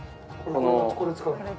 これ使うの。